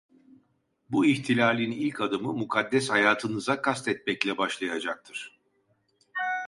Bu ihtilalin ilk adımı mukaddes hayatınıza kastetmekle başlayacaktır.